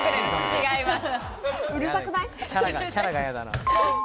違います。